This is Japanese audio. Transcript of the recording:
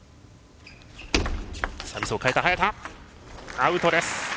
アウトです。